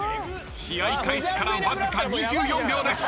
［試合開始からわずか２４秒です］